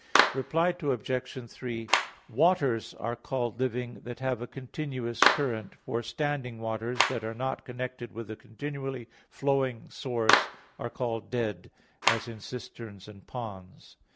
Reply Obj. 3: Waters are called living that have a continuous current: for standing waters, that are not connected with a continually flowing source, are called dead, as in cisterns and ponds.